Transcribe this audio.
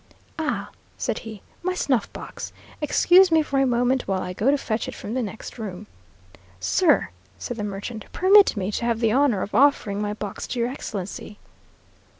"Ah!" said he, "my snuff box. Excuse me for a moment while I go to fetch it from the next room." "Sir!" said the merchant, "permit me to have the honour of offering my box to your Excellency."